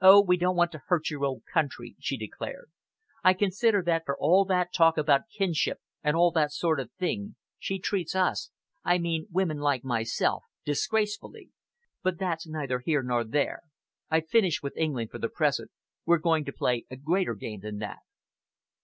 "Oh! we don't want to hurt your old country," she declared. "I consider that for all the talk about kinship, and all that sort of thing, she treats us I mean women like myself disgracefully. But that's neither here nor there. I've finished with England for the present. We're going to play a greater game than that!"